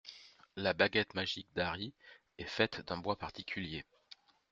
La baguette magique d’Harry est faite d’un bois particulier.